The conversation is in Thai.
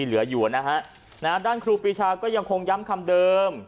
เหลืออยู่นะฮะด้านครูปีชาก็ยังคงย้ำคำเดิม